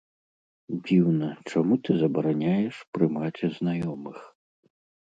Дзіўна, чаму ты забараняеш прымаць знаёмых?